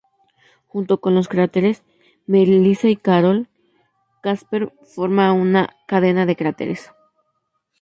Junto con los cráteres Melissa y Carol, Kasper forma una cadena de cráteres.